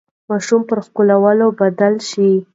ماشوم پر ښکلولو بدل شي.